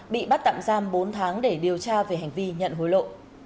bị bắt tạm giam bốn tháng để điều tra về hành vi nhận hối lộ